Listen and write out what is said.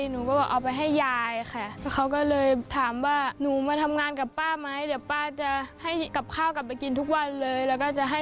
พอเขาช่วยเราทำงานทำไมเราตัดพิจัยทำงานเลยค่ะ